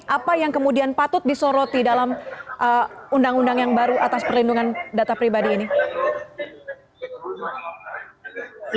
apa yang kemudian patut disoroti dalam undang undang yang baru atas perlindungan data pribadi ini